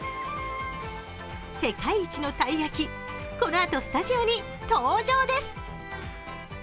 世界一のたい焼き、このあとスタジオに登場です。